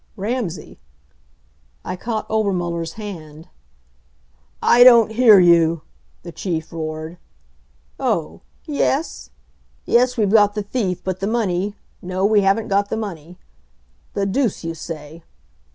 Ramsay!" I caught Obermuller's hand. "I don't hear you," the Chief roared. "Oh yes? Yes, we've got the thief, but the money no, we haven't got the money. The deuce you say!